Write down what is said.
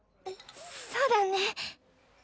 そうだね。